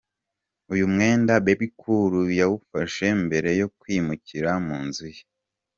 Uyu mwenda Bebe Cool yawufashe mbere yo kwimukira mu nzu ye.